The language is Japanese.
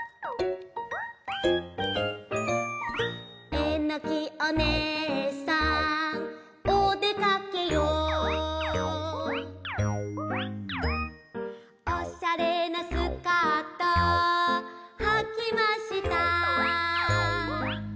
「えのきお姉さんおでかけよ」「おしゃれなスカートはきました」